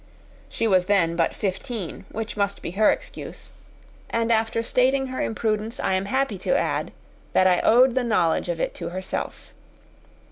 She was then but fifteen, which must be her excuse; and after stating her imprudence, I am happy to add, that I owed the knowledge of it to herself.